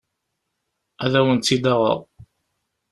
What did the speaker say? Ad awen-tt-id-aɣeɣ.